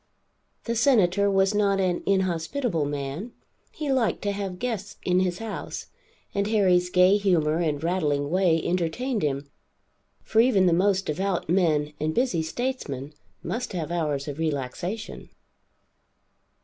The Senator was not an inhospitable man, he liked to have guests in his house, and Harry's gay humor and rattling way entertained him; for even the most devout men and busy statesmen must have hours of relaxation.